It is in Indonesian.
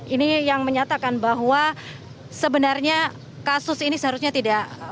ini yang menyatakan bahwa sebenarnya kasus ini seharusnya tidak